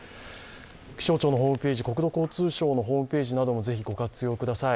気象庁のホームページ、国土交通省のホームページなどもぜひご活用ください。